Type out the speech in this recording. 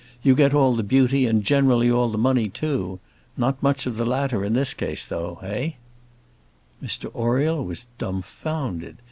"You get all the beauty, and generally all the money, too. Not much of the latter in this case, though eh?" Mr Oriel was dumbfounded.